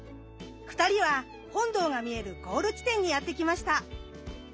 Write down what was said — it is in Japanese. ２人は本堂が見えるゴール地点にやって来ました。